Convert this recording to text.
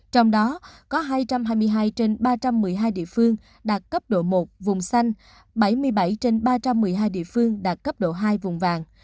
trong đó có hai trăm hai mươi hai trên ba trăm một mươi hai địa phương đạt cấp độ một vùng xanh bảy mươi bảy trên ba trăm một mươi hai địa phương đạt cấp độ hai vùng vàng